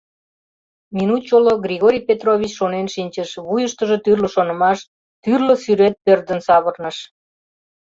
Минут чоло Григорий Петрович шонен шинчыш, вуйыштыжо тӱрлӧ шонымаш, тӱрлӧ сӱрет пӧрдын савырныш.